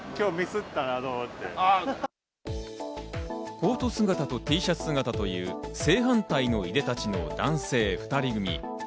コート姿とＴシャツ姿という正反対のいでたちの男性２人組。